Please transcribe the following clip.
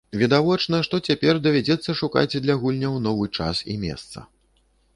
Відавочна, што цяпер давядзецца шукаць для гульняў новы час і месца.